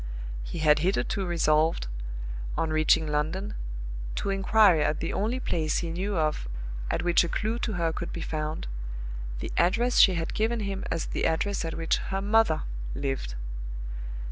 He had hitherto resolved, on reaching London, to inquire at the only place he knew of at which a clew to her could be found the address she had given him as the address at which "her mother" lived.